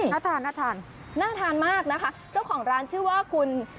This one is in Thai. น่าทานน่าทานน่าทานมากนะคะเจ้าของร้านชื่อว่าคุณ